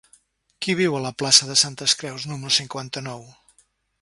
Qui viu a la plaça de Santes Creus número cinquanta-nou?